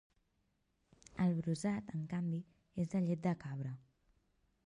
El brossat, en canvi, és de llet de cabra.